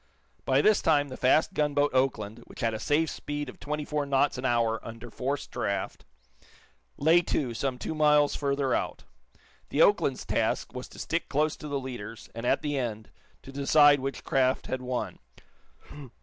By this time the fast gunboat "Oakland," which had a safe speed of twenty four knots an hour, under forced draught, lay to, some two miles further out. The "Oakland's" task was to stick close to the leaders, and, at the end, to decide which craft had won.